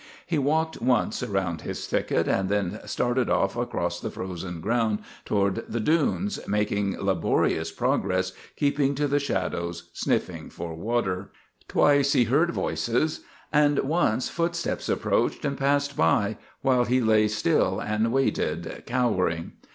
He walked once around his thicket and then started off across the frozen ground toward the dunes, making laborious progress, keeping to the shadows, sniffing for water. Twice he heard voices, and once footsteps approached and passed by, while he lay still and waited, cowering.